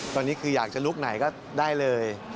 ตอนนี้คืออยากจะลุกไหนก็ได้เลย